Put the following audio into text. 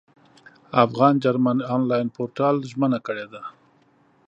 افغان جرمن انلاین پورتال ژمنه کړې ده.